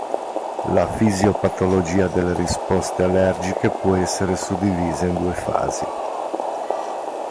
La fisiopatologia delle risposte allergiche può essere suddivisa in due fasi.